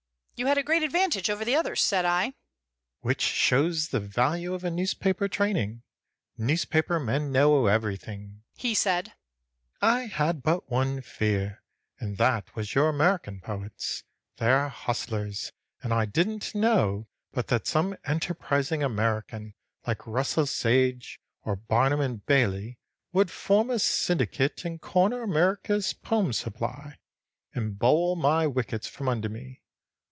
"You had a great advantage over the others," said I. "Which shows the value of a newspaper training. Newspaper men know everything," he said. "I had but one fear, and that was your American poets. They are hustlers, and I didn't know but that some enterprising American like Russell Sage or Barnum & Bailey would form a syndicate and corner America's poem supply, and bowl my wickets from under me.